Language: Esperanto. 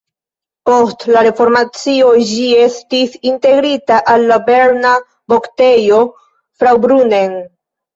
Post la reformacio ĝi estis integrita al la berna Voktejo Fraubrunnen.